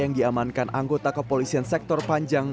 yang diamankan anggota kepolisian sektor panjang